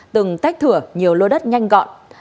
từng tách thửa nhiều lô đất nhanh gọn